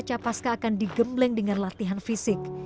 capaska akan digembleng dengan latihan fisik